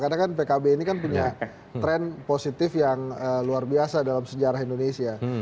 karena kan pkb ini kan punya tren positif yang luar biasa dalam sejarah indonesia